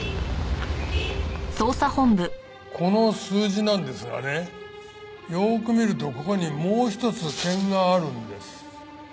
この数字なんですがねよく見るとここにもう１つ点があるんです。